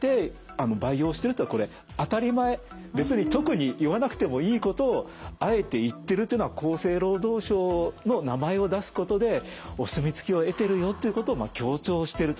別に特に言わなくてもいいことをあえて言ってるというのは厚生労働省の名前を出すことでお墨付きを得てるよっていうことを強調してると。